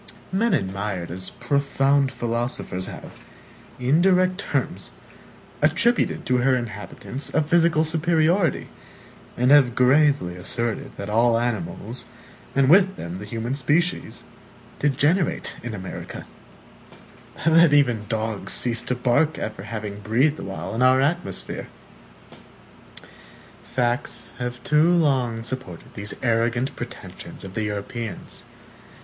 Men admired as profound philosophers have, in direct terms, attributed to her inhabitants a physical superiority, and have gravely asserted that all animals, and with them the human species, degenerate in America that even dogs cease to bark after having breathed awhile in our atmosphere.(1) Facts have too long supported these arrogant pretensions of the Europeans.